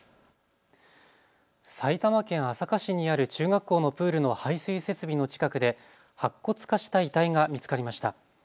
埼玉県朝霞市にある中学校のプールの排水設備の近くで白骨化した遺体が見つかりました。